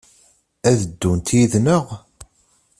Ad d-ddunt yid-neɣ?